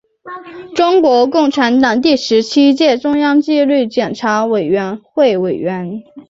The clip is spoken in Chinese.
中国共产党第十七届中央纪律检查委员会委员。